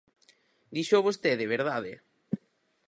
Díxoo vostede, ¿verdade?